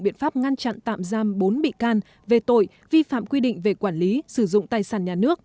biện pháp ngăn chặn tạm giam bốn bị can về tội vi phạm quy định về quản lý sử dụng tài sản nhà nước